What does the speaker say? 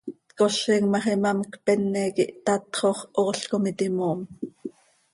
Tcozim ma x, imám cpene quih tatxo x, ool com iti moom.